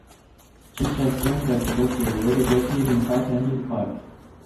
Chichester Festival Theatre is located in south end of the park